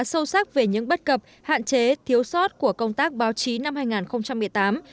hội nghị đã sâu sắc về những bất cập hạn chế thiếu sót của công tác báo chí năm hai nghìn một mươi tám